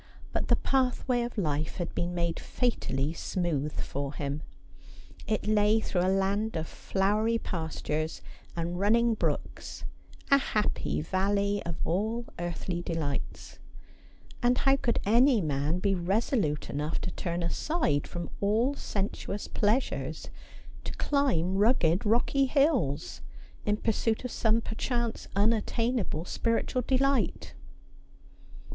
But the pathway of life had been made fatally smooth for him ; it lay through a land of flowery pastures and running brooks, a happy valley of all earthly delights ; and how could any man be resolute enough to turn aside from all sensuous pleasures to climb rugged rocky hills in pursuit of some perchance unattainable spiritual delight